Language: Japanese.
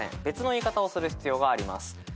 別の言い方をする必要があります。